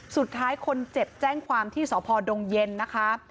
สุดท้ายคนเจ็บแจ้งความที่สพดงเย็นนะคะ